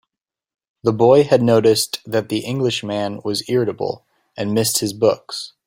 The boy had noticed that the Englishman was irritable, and missed his books.